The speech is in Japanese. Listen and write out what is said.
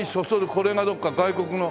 これがどっか外国の。